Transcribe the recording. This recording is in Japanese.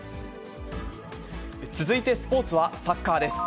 続いてスポーツはサッカーです。